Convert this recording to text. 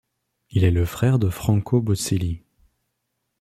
Il est le frère de Franco Boselli.